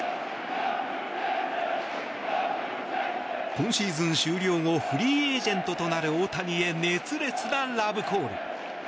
今シーズン終了後フリーエージェントとなる大谷へ熱烈なラブコール。